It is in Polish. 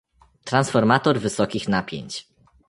Transformator wysokich napięć.